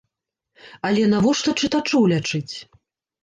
Але навошта чытачоў лячыць?